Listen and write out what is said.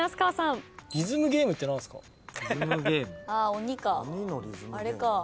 あれか。